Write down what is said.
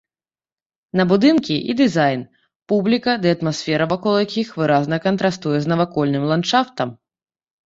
На будынкі і дызайн, публіка ды атмасфера вакол якіх выразна кантрастуе з навакольным ландшафтам.